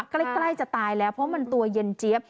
ใกล้จะตายแล้วเพราะมันตัวเย็นเจี๊ยบ